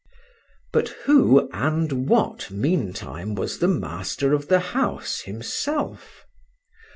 But who and what, meantime, was the master of the house himself?